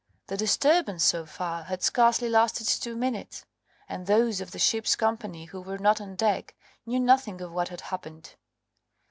The disturbance, so far, had scarcely lasted two minutes, and those of the ship's company who were not on deck knew nothing of what had happened.